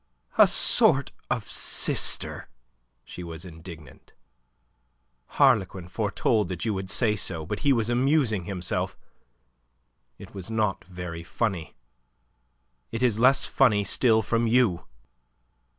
"A sort of sister!" She was indignant. "Harlequin foretold that you would say so; but he was amusing himself. It was not very funny. It is less funny still from you.